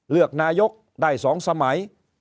เลือกนายกได้๒สมัย